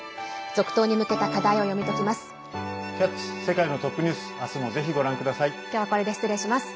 続投に向けた課題を読み解きます。